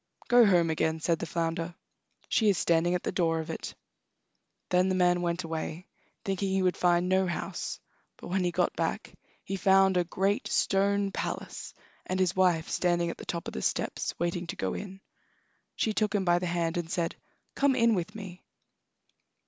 "Go home again," said the flounder; "she is standing at the door of it." Then the man went away, thinking he would find no house, but when he got back he found a great stone palace, and his wife standing at the top of the steps, waiting to go in. She took him by the hand and said: "Come in with me."